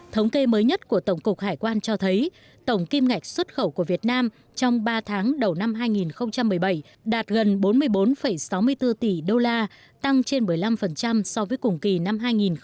thống kê mới nhất của tổng cục hải quan cho thấy tổng kim ngạch xuất khẩu của việt nam trong ba tháng đầu năm hai nghìn một mươi bảy đạt gần bốn mươi bốn sáu mươi bốn tỷ đô la tăng trên một mươi năm so với cùng kỳ năm hai nghìn một mươi bảy